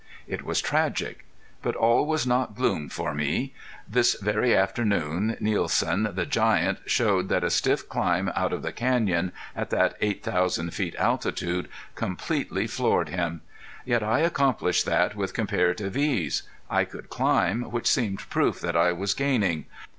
It was tragic. But all was not gloom for me. This very afternoon Nielsen, the giant, showed that a stiff climb out of the canyon, at that eight thousand feet altitude, completely floored him. Yet I accomplished that with comparative ease. I could climb, which seemed proof that I was gaining.